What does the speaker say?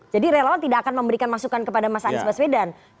jadi relawan tidak akan memberikan masukan kepada mas anies baswedan